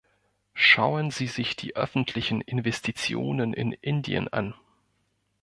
Schauen Sie sich die öffentlichen Investitionen in Indien an!